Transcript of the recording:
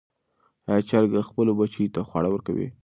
آیا چرګه خپلو بچیو ته خواړه ورکوي؟